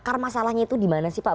akar masalahnya itu dimana sih pak